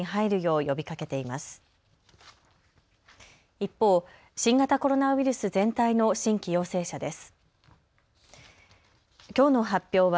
一方、新型コロナウイルス全体の新規陽性者です。